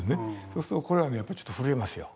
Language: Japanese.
そうするとこれはねやっぱちょっと震えますよ。